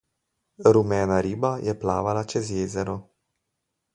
Rumena riba je plavala čez jezero.